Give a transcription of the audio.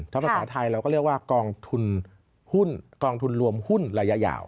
ถ้าภาษาไทยเราก็เรียกว่ากองทุนกองทุนรวมหุ้นระยะยาว